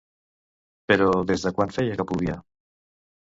Però des de quan feia que plovia?